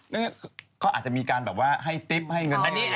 เพราะอาจจะมีการแบบว่าให้ติ๊บให้เงินอะไรอย่างนี้